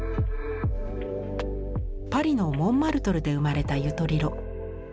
パリのモンマルトルで生まれたユトリロ。